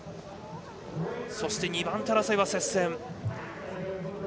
そして２番手争いは接戦。